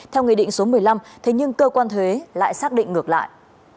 theo nghị định số một mươi năm thế nhưng cơ quan thuế lại xác định ngược lại